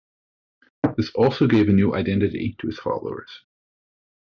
This also gave a new identity to his followers.